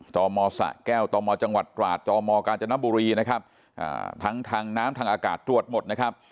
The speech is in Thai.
ตมสะแก้วตมจังหวัดตราดตมกาญจนบุรีทั้งทางน้ำทางอากาศตรวจหมด